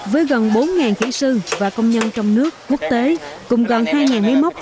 với gần bốn kỹ sư và công nhân trong nước quốc tế cùng gần hai máy móc